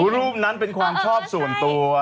รูปนั้นเป็นความชอบส่วนตัว